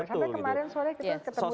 sampai kemarin sore kita ketemu dengan